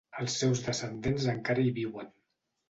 Els seus descendents encara hi viuen.